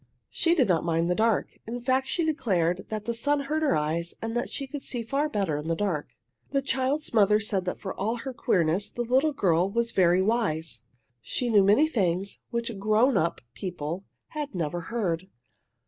She did not mind the dark. In fact she declared that the sun hurt her eyes and that she could see far better in the dark. The child's mother said that for all her queerness the little girl was very wise. She knew many things which grown up people had never heard.